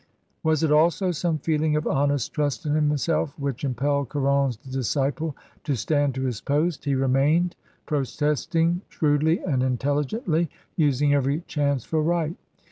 W:> it also some feeling of honest trust in himself whic: impelled Caron's disciple to stand to his post? He remained, protesting, shrewdly and intelligen: using every chance for right.